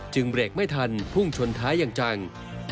จึงเรียกไม่ทันพรุ่งชนท้ายอย่างจัง